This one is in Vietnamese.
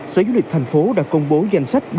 sở du lịch thành phố đã công bố danh sách